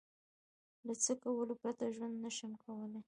له څه کولو پرته ژوند نشم کولای؟